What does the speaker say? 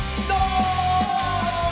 どうも。